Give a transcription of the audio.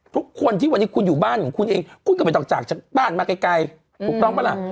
ทุกคนที่วันนี้คุณอยู่บ้านของคุณเองคุณก็ไม่ต้องจากจากบ้านมาไกลถูกต้องปะล่ะ